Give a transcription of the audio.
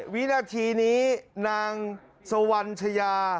วินาทีนี้นางสวรรณชายา